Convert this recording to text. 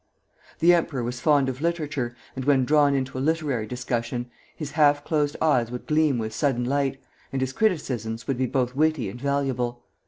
The emperor was fond of literature, and when drawn into a literary discussion, his half closed eyes would gleam with sudden light, and his criticisms would be both witty and valuable.